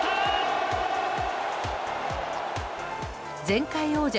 前回王者